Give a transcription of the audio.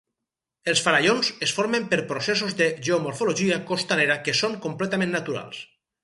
Els farallons es formen per processos de geomorfologia costanera que són completament naturals.